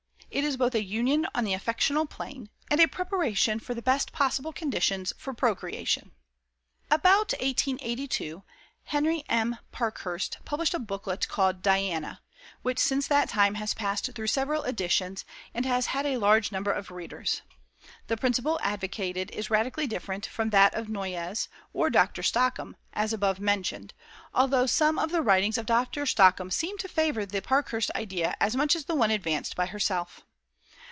It is both a union on the affectional plane, and a preparation for the best possible conditions for procreation." About 1882, Henry M. Parkhurst published a booklet called "Diana," which since that time has passed through several editions, and has had a large number of readers. The principle advocated is radically different from that of Noyes or Dr. Stockham, above mentioned, although some of the writings of Dr. Stockham seem to favor the Parkhurst idea as much as the one advanced by herself.